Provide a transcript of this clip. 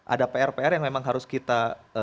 ada pr pr yang memang harus kita